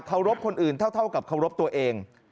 รบคนอื่นเท่ากับเคารพตัวเอง